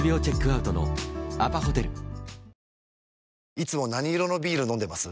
いつも何色のビール飲んでます？